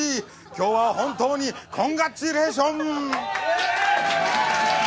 今日は本当にコングラチュレーション。